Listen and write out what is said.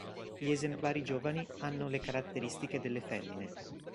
Gli esemplari giovani hanno le caratteristiche delle femmine.